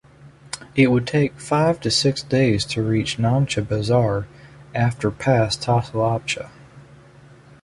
It would take five to six days to reach Namche Bazaar after pass Tasilapcha.